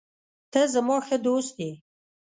ته زما ښه دوست یې.